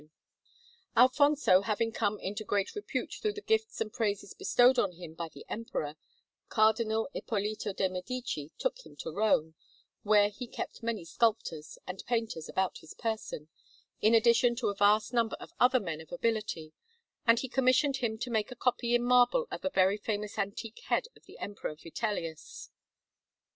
Maria della Vita_) Poppi] Alfonso having come into great repute through the gifts and praises bestowed on him by the Emperor, Cardinal Ippolito de' Medici took him to Rome, where he kept many sculptors and painters about his person, in addition to a vast number of other men of ability; and he commissioned him to make a copy in marble of a very famous antique head of the Emperor Vitellius.